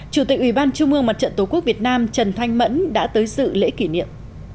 chủ tịch ủy ban trung ương mặt trận tổ quốc việt nam trần thanh mẫn đã tới sự lễ kỷ niệm